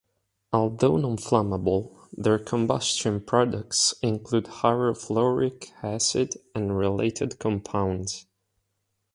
Although non-flammable, their combustion products include hydrofluoric acid and related compounds.